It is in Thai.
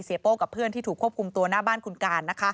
โป้กับเพื่อนที่ถูกควบคุมตัวหน้าบ้านคุณการ